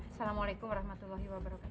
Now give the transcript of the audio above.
assalamualaikum warahmatullahi wabarakatuh